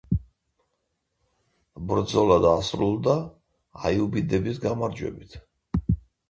ბრძოლა დასრულდა აიუბიდების გამარჯვებით.